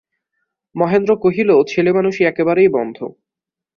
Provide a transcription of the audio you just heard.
মহেন্দ্র কহিল, ছেলেমানুষি একেবারেই বন্ধ।